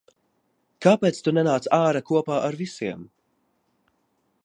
Kāpēc tu nenāc āra kopā ar visiem?